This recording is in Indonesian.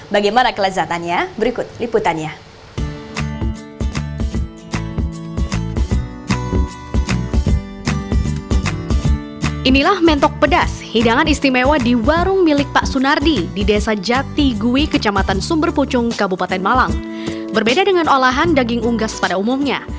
bagaimana kelezatannya berikut liputannya